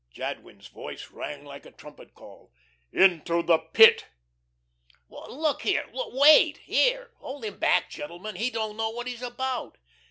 Jadwin's voice rang like a trumpet call: "Into the Pit." "Look here wait here. Hold him back, gentlemen. He don't know what he's about."